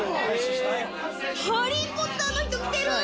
『ハリー・ポッター』の人来てる！